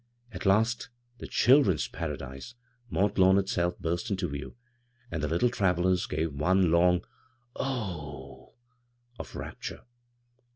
At last the " Children's Paradise," Mont Lawn itself, burst into view, and the little travelers gave one long " Oh h 1 " of rapture.